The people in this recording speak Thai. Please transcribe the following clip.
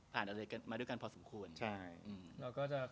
ผ่านผอดนี้มาด้วยกันพอสมควร